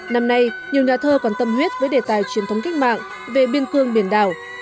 năm nay nhiều nhà thơ còn tâm huyết với đề tài truyền thống kích mạng về biên cương biển đảo